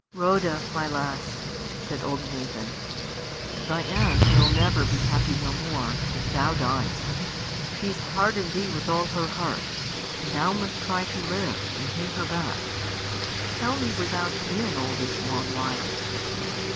"Rhoda, my lass," said old Nathan, "thy aunt 'ill never be happy no more, if thou dies. She's pardoned thee with all her heart; and thou must try to live, and pay her back. Tell me where thou 's been all this long while."